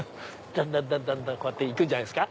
だんだんこうやって行くんじゃないですか？